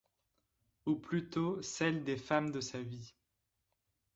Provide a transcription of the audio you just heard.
Ou plutôt celle des femmes de sa vie.